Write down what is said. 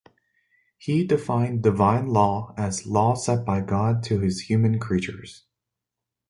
He defined divine law as 'law set by God to his human creatures'.